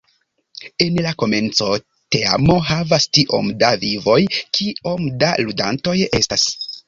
En la komenco teamo havas tiom da "vivoj", kiom da ludantoj estas.